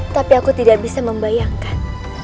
tapi aku tidak bisa membayangkan